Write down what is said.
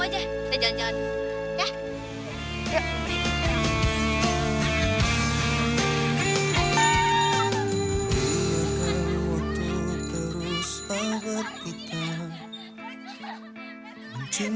yaudah next beda gue aja